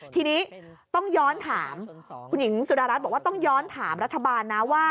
ทีนี้ต้องย้อนถามคุณหญิงสุดารัฐบอกว่าต้องย้อนถามรัฐบาลนะว่า